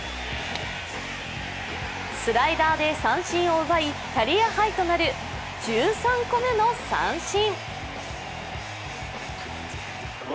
スライダーで三振を奪い、キャリアハイとなる１３個目の三振。